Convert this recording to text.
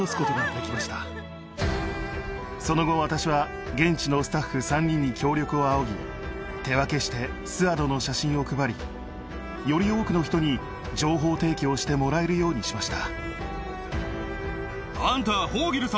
その後私は現地のスタッフ３人に協力を仰ぎ手分けしてスアドの写真を配りより多くの人に情報提供してもらえるようにしました。